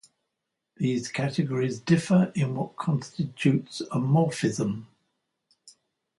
These categories differ in what constitutes a morphism.